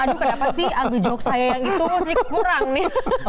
aduh kenapa sih agujok saya yang itu kurang nih